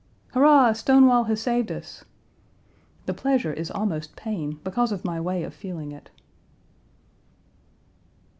"Hurrah, Stonewall has saved us!" The pleasure is almost pain because of my way of feeling it.